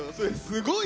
すごいな！